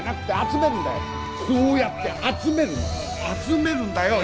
こうやって集めるんだよ。